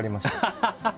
ハハハハ！